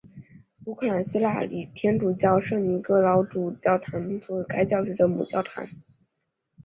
乌克兰希腊礼天主教圣尼各老主教座堂是该教区的母教堂。